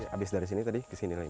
habis dari sini tadi kesini lagi